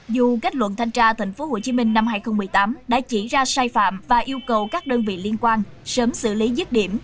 dù kết luận thanh tra tp hcm năm hai nghìn một mươi tám đã chỉ ra sai phạm và yêu cầu các đơn vị liên quan sớm xử lý dứt điểm